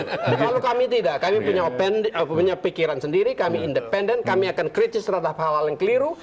kalau kami tidak kami punya pikiran sendiri kami independen kami akan kritis terhadap hal hal yang keliru